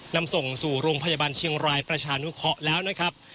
นำส่งสู่โรงพยาบาลเชียงรายประชานุเคราะห์แล้วนะครับ